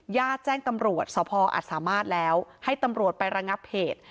ญาติแจ้งตำรวจสพออาจสามารถแล้วให้ตำรวจไประงับเหตุ